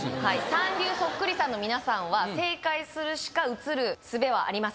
三流そっくりさんの皆さんは正解するしか映るすべはありません